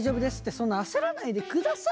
そんな焦らないで下さいよ。